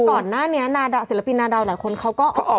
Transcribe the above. ซักตอนหน้านี้ศิลปินนาดาวหลายคนเขาก็ออกมาเป็นอิสระมา